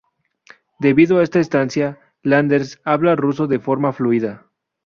Debido a esta estancia, Landers habla ruso de forma fluida.